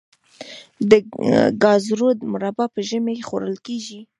د ګازرو مربا په ژمي کې خوړل کیږي.